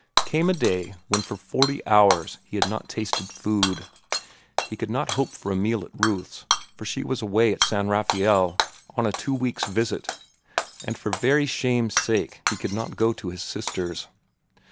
Came a day when for forty hours he had not tasted food. He could not hope for a meal at Ruth's, for she was away to San Rafael on a two weeks' visit; and for very shame's sake he could not go to his sister's.